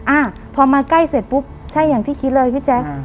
อ่าพอมาใกล้เสร็จปุ๊บใช่อย่างที่คิดเลยพี่แจ๊ค